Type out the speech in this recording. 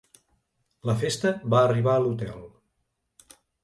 La festa va arribar a l'hotel.